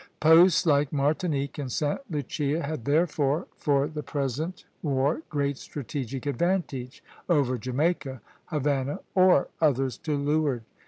Posts like Martinique and Sta. Lucia had therefore for the present war great strategic advantage over Jamaica, Havana, or others to leeward.